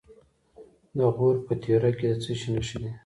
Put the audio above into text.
د غور په تیوره کې د څه شي نښې دي؟